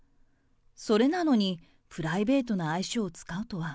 それなのにプライベートな愛称を使うとは。